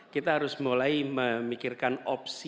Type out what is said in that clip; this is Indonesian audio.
kita harus mulai memikirkan opsi